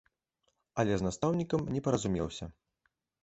Але з настаўнікам не паразумеўся.